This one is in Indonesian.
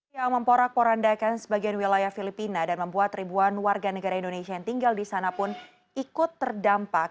yang memporak porandakan sebagian wilayah filipina dan membuat ribuan warga negara indonesia yang tinggal di sana pun ikut terdampak